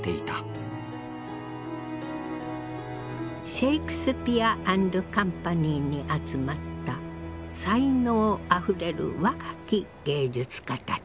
シェイクスピア・アンド・カンパニーに集まった才能あふれる若き芸術家たち。